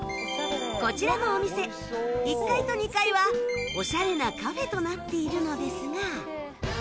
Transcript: こちらのお店１階と２階はオシャレなカフェとなっているのですが